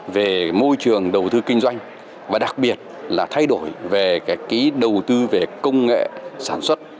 về môi trường đầu tư kinh doanh và đặc biệt là thay đổi về đầu tư về công nghệ sản xuất